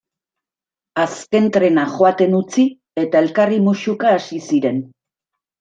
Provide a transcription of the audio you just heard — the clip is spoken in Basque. Azken trena joaten utzi eta elkarri musuka hasi ziren.